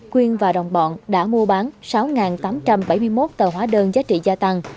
quyên và đồng bọn đã mua bán sáu tám trăm bảy mươi một tờ hóa đơn giá trị gia tăng